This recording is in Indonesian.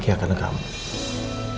gimana kamu mau mengambil kawasan